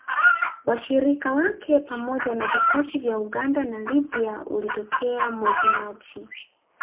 Washirika wake pamoja na vikosi vya Uganda na Libya ulitokea mwezi Machi